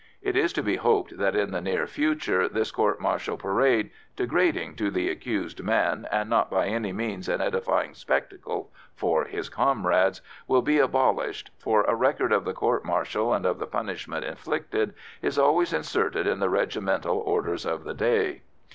It is to be hoped that in the near future this court martial parade, degrading to the accused man, and not by any means an edifying spectacle for his comrades, will be abolished, for a record of the court martial and of the punishment inflicted is always inserted in the regimental orders of the day.